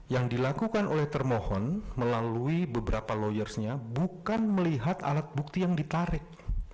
yang dilakukan oleh termohon melalui beberapa lawyersnya bukan melihat alat bukti yang ditarik